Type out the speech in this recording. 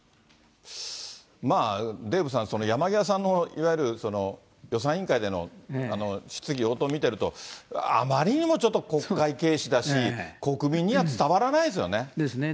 デーブさん、山際さんのいわゆる予算委員会での質疑応答見てると、あまりにもちょっと国会軽視だし、国民には伝わらないですよね。